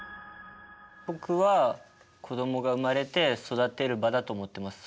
僕は子どもが生まれて育てる場だと思ってます。